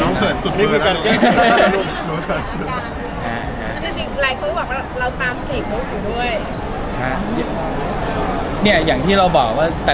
มีมีมีมีมีมีมีมีมีมีมีมีมีมีมี